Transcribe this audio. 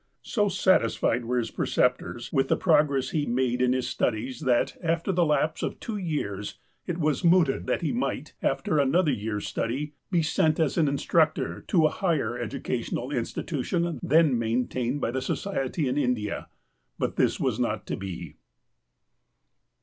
So satisfied were his preceptors with the progress he "THY SERVANT HEARETH" 31 made in his studies that, after the lapse of two years, it was mooted that he might, after another year's study, be sent as instructor to a higher educational institution then maintained by the Society in India. But this was not to be.